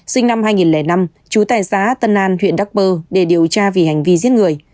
sinh năm hai nghìn năm chú tài xá tân an huyện đắc bơ để điều tra vì hành vi giết người